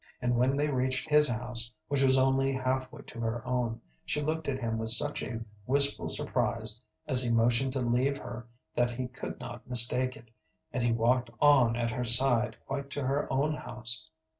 And when they reached his house, which was only half way to her own, she looked at him with such a wistful surprise as he motioned to leave her that he could not mistake it, and he walked on at her side quite to her own house.